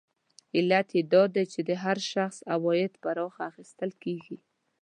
علت یې دا دی چې د هر شخص عواید پراخه اخیستل کېږي